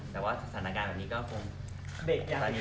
แต่ว่าศาลาการณ์แบบนี้ก็คง